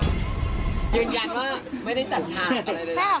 ยืนยันว่าไม่ได้จัดฉากอะไรเลย